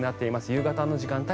夕方の時間帯